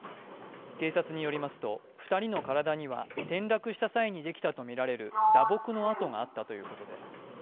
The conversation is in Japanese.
警察によりますと２人の体には転落した際にできたとみられる打撲の跡があったということです。